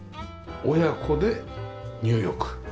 親子で入浴。